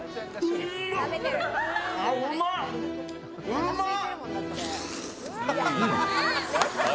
うまっ！